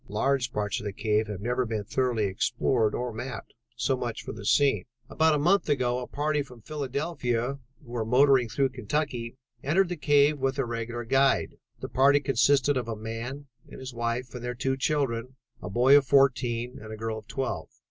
Large parts of the cave have never been thoroughly explored or mapped. So much for the scene. "About a month ago a party from Philadelphia who were motoring through Kentucky, entered the cave with a regular guide. The party consisted of a man and his wife and their two children, a boy of fourteen and a girl of twelve.